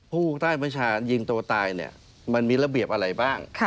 ผู้ใต้ประชายิงตัวตายเนี่ยมันมีระเบียบอะไรบ้าง